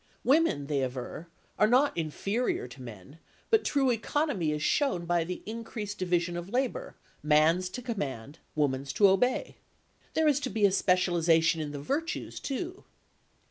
Women, they aver, are not inferior to men, but true economy is shown by increased division of labour: man's to command, woman's to obey. There is to be a specialisation in the virtues, too.